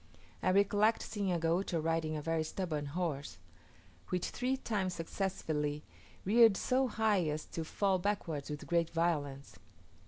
I recollect seeing a Gaucho riding a very stubborn horse, which three times successively reared so high as to fall backwards with great violence.